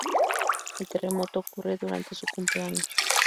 El terremoto ocurre durante su cumpleaños.